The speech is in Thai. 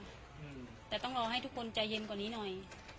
อืมแต่ต้องรอให้ทุกคนใจเย็นกว่านี้หน่อย